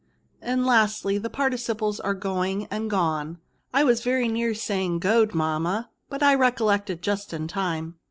" And lastly, the participles are going and gone. I was very near saying goed^ mamma ; but I recollected just in time."